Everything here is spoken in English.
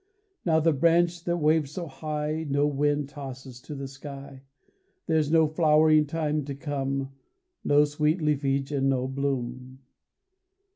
Now the branch that waved so high No wind tosses to the sky ; There's no flowering time to come, No sweet leafage and no bloom.